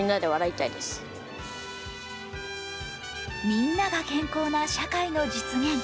みんなが健康な社会の実現。